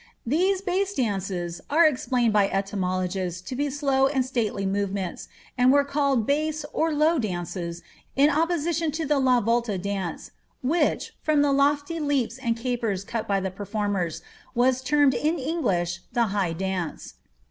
These base dances are explained hj etymologists to be slow and stately movements, and were called base Of low dances, in opposition to the la volta dance, which, from the lofty laps and capers cut by the performers, was termed in English the high duce.